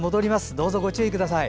どうぞご注意ください。